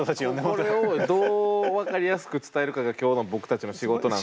これをどう分かりやすく伝えるかが今日の僕たちの仕事なんですけど。